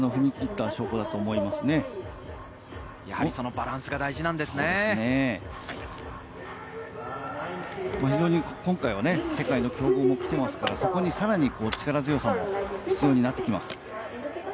今回は非常に、世界の強豪も来ていますから、さらに力強さも必要になってきます。